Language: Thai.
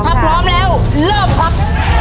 ถ้าพร้อมแล้วเริ่มครับ